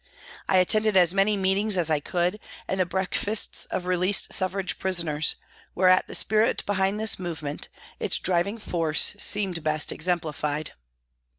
I attended as many meetings as I could, and the breakfasts of released suffrage prisoners, whereat the spirit behind this movement, its driving force, seemed best exemplified.